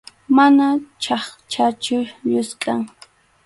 Mana qhachqachu, lluskʼam.